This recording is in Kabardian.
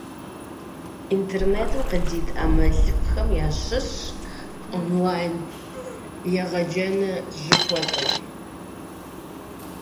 Интернетым къыдит ӀэмалыфӀхэм ящыщщ, «онлайн-егъэджэныгъэ» жыхуэтӀэр.